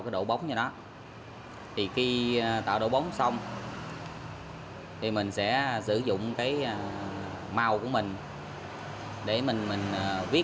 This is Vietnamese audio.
cái độ bóng như đó thì khi tạo độ bóng xong ừ thì mình sẽ sử dụng cái mau của mình để mình mình viết